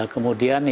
kemudian ya mungkin